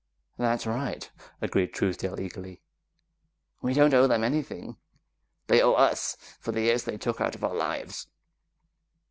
"That's right," agreed Truesdale eagerly. "We don't owe them anything. They owe us; for the years they took out of our lives!"